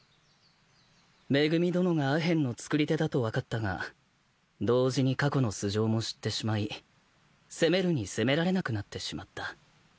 恵殿がアヘンの作り手だと分かったが同時に過去の素性も知ってしまい責めるに責められなくなってしまった。